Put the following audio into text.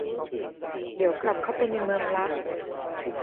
เดี๋ยวกลับเข้าไปในเมืองละ